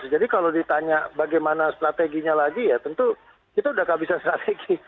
jadi kalau ditanya bagaimana strateginya lagi ya tentu kita sudah kehabisan strategi